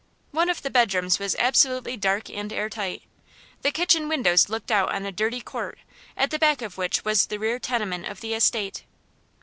One of the bedrooms was absolutely dark and air tight. The kitchen windows looked out on a dirty court, at the back of which was the rear tenement of the estate.